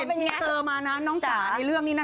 ก็เห็นที่เธอมานะน้องจ๋าในเรื่องนี้นะ